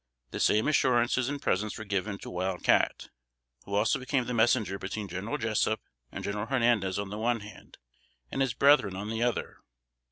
The same assurances and presents were given to Wild Cat, who also became the messenger between General Jessup and General Hernandez on the one hand, and his brethren on the other.